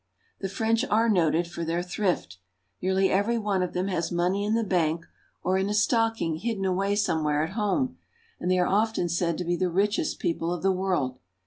The French are noted for their thrift. Nearly every one of them has money in the bank or in a stocking hidden RURAL FRANCE. 8 9 away somewhere at home, and they are often said to be the richest people of the world.